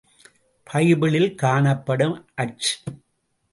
பைபிளில் காணப்படும் அர்ச்.